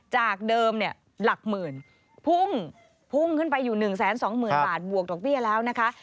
จากเดิมเนี่ยหลักหมื่นพุ่งพุ่งขึ้นไปอยู่๑๒๐๐๐บาทบวกดอกเบี้ยแล้วนะคะ